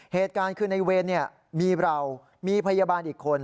เหตุการณ์คือในเวรมีเรามีพยาบาลอีกคน